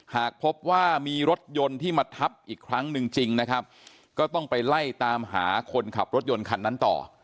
หากพบว่ามีรถยนต์ที่มาทับอีกครั้งหนึ่งจริงนะครับก็ต้องไปไล่ตามหาคนขับรถยนต์คันนั้นต่อ